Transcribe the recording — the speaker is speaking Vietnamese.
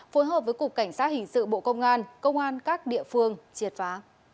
phối hợp với cục cảnh sát hình sự bộ công an công an các địa phương triệt phá